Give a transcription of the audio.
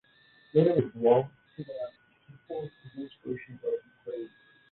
Later it belonged to the Seaports Administration of Ukraine.